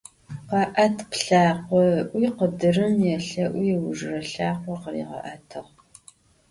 Khe'et plhakho, – ı'ui khıdırım yêlhe'ui, ıujjıre lhakhor khıriğe'etığ.